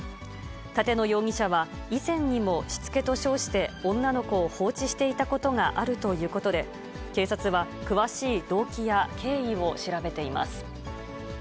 立野容疑者は、以前にもしつけと称して女の子を放置していたことがあるということで、警察は、詳しい動機や経緯を調べています。